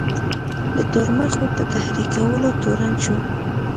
د تورمخو په تحریکولو تورن شو.